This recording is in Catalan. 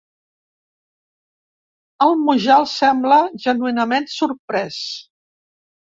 El Mujal sembla genuïnament sorprès.